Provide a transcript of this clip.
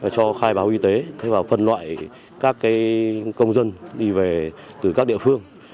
cho khai báo y tế và phân loại các công dân đi về từ các địa phương